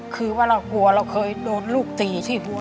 คือว่าเรากลัวเราเคยโดนลูกตีที่หัว